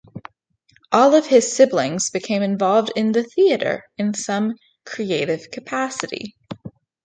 All of his siblings became involved in the theatre in some creative capacity.